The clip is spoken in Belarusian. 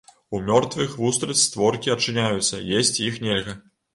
У мёртвых вустрыц створкі адчыняюцца, есці іх нельга.